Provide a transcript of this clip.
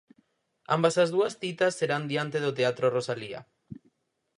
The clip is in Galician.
Ambas as dúas citas serán diante do Teatro Rosalía.